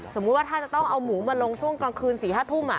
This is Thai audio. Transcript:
สมมุติว่าถ้าจะต้องเอาหมูมาลงช่วงกลางคืน๔๕ทุ่ม